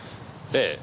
ええ。